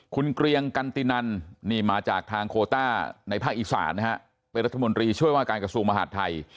คุณเกรียงกันตินันนี่มาจากทางโคต้าในภาคอีสานนะฮะเป็นรัฐมนตรีช่วยว่าการกระทรวงมหาดไทย